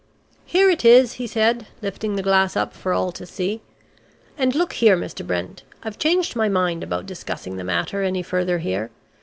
"Here it is," he said, lifting the glass up for all to see. "And look here, Mr. Brent, I've changed my mind about discussing the matter any further here.